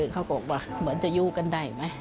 เขาบอกว่าเหมือนจะอยู่กันได้ไหม